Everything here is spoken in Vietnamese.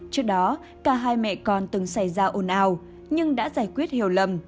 trước đó cả hai mẹ con từng xảy ra ồn ào nhưng đã giải quyết hiểu lầm